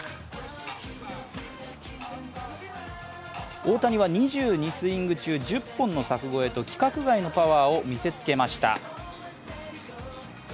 大谷は２２スイング中１０本の柵越えと規格外のパワーを見せつけました。